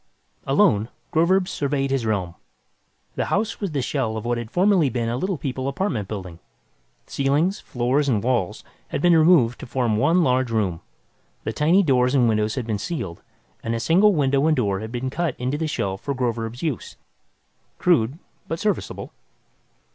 Alone, Groverzb surveyed his realm. The house was the shell of what had formerly been a Little People apartment building. Ceilings, floors and walls had been removed to form one large room. The tiny doors and windows had been sealed, and a single window and door had been cut into the shell for Groverzb's use. Crude, but serviceable.